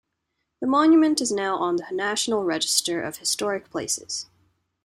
The monument is now on the National Register of Historic Places.